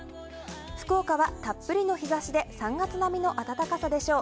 福岡はたっぷりの日差しで３月並みの暖かさでしょう。